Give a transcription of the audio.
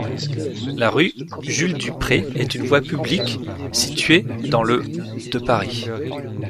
La rue Jules-Dupré est une voie publique située dans le de Paris.